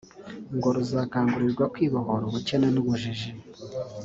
ngo ruzakangurirwa kwibohora ubukene n’ubujiji